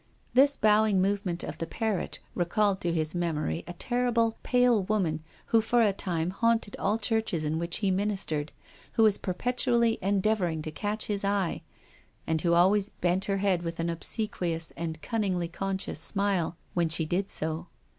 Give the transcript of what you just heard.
This bowing move ment of the parrot recalled to his memory a ter rible, pale woman who for a time haunted all churches in which he ministered, who was perpet ually endeavouring to catch his eye, and who always bent her head with an obsequious and cun ningly conscious smile when she did so.